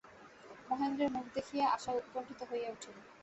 মহেন্দ্রের মুখ দেখিয়াই আশা উৎকণ্ঠিত হইয়া উঠিল।